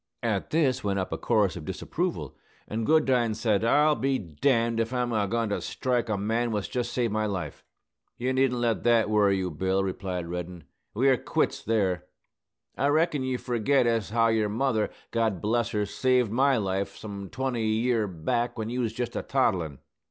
At this went up a chorus of disapproval: and Goodine said, "I'll be d d if I'm a goin to strike the man what's jest saved my life!" "You needn't let that worry you, Bill," replied Reddin. "We're quits there. I reckon you forget as how your mother, God bless her, saved my life, some twenty year back, when you was jest a toddlin'.